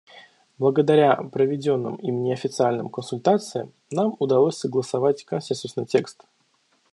Благодаря проведенным им неофициальным консультациям нам удалось согласовать консенсусный текст.